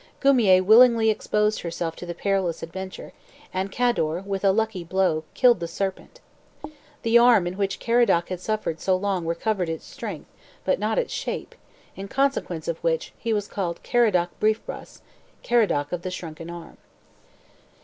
Guimier willingly exposed herself to the perilous adventure, and Cador, with a lucky blow, killed the serpent. The arm in which Caradoc had suffered so long recovered its strength, but not its shape, in consequence of which he was called Caradoc Briefbras, Caradoc of the Shrunken Arm.